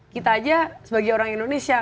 kita aja sebagai orang indonesia